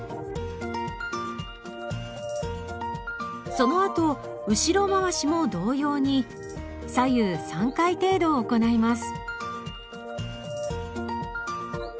そのあと後ろ回しも同様に左右３回程度行います。